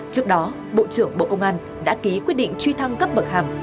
trước đó bộ trưởng bộ công an đã ký quyết định truy thăng cấp bậc hàm